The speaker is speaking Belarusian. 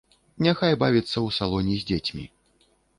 Няхай бавіцца ў салоне з дзецьмі.